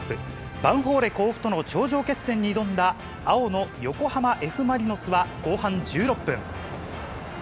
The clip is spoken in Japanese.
ヴァンフォーレ甲府との頂上決戦に挑んだ青の横浜Ｆ・マリノスは後半１６分。